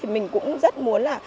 mình cũng rất muốn là